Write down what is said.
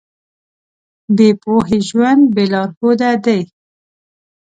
بې پوهې ژوند بې لارښوده دی.